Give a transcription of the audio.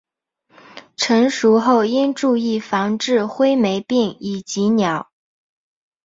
成熟后应注意防治灰霉病以及鸟。